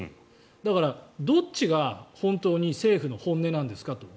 だから、どっちが本当に政府の本音なんですかと。